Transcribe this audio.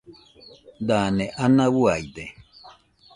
Dane ana uaide